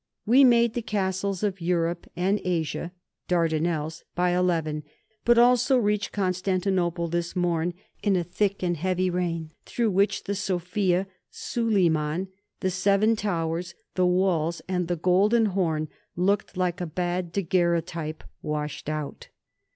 We made the castles of Europe and Asia (Dardanelles) by eleven, but also reached Constantinople this morn in a thick and heavy rain, through which the Sophia, Sulieman, the Seven Towers, the walls, and the Golden Horn looked like a bad daguerrotype washed out.